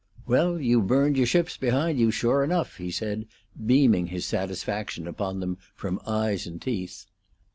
"Well, you've burned your ships behind you, sure enough," he said, beaming his satisfaction upon them from eyes and teeth.